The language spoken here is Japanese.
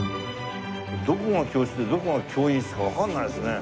どこが教室でどこが教員室かわからないですね。